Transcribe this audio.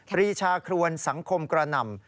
ปรีชาครวนสังคมกระหน่ำ